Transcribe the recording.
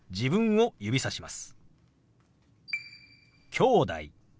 「きょうだい」。